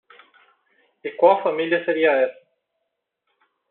E qual família seria essa?